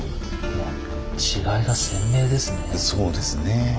そうですね。